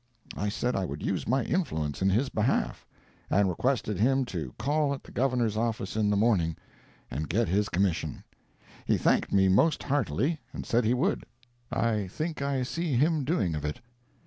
I said I would use my influence in his behalf, and requested him to call at the Governor's office in the morning, and get his commission. He thanked me most heartily, and said he would. [I think I see him doing of it.